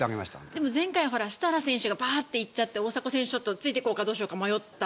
でも前回、設楽選手がバーッと行っちゃって大迫選手はついていくかどうか迷った。